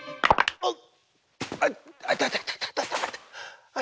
あっ！